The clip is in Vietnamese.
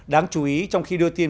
đáng chú ý trong khi đưa tin